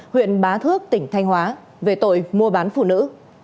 huyện bá thước tỉnh thanh hóa về tội mua bán phụ nữ